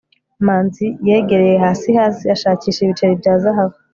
manzi yegereye hasi hasi, ashakisha ibiceri bya zahabu